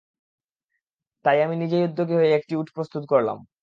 তাই আমি নিজেই উদ্যোগী হয়ে একটি উট প্রস্তুত করলাম।